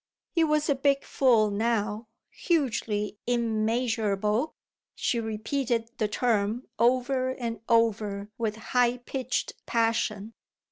He was a big fool now hugely immeasurable; she repeated the term over and over with high pitched passion.